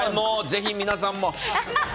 ぜひ皆さんも！